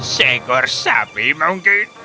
sekor sapi mungkin